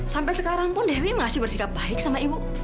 sampai sekarang pun dewi masih bersikap baik sama ibu